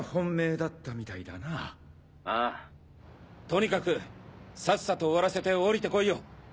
とにかくさっさと終わらせて下りて来いよ。